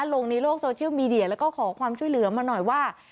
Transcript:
ลงในโลกโซเชียลมีเดียแล้วก็ขอความช่วยเหลือมาหน่อยว่า